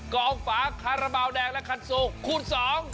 กองฝาการาเบาแดงและคันสูงคูณ๒